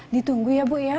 ditunggu ya bu ya